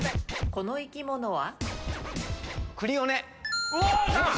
この生き物は？